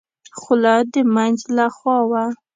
خوله د مينځ له خوا وه.